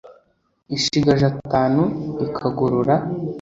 Ishigaje atanu ikagorora!"